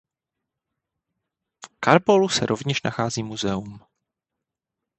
V Carballu se rovněž nachází muzeum.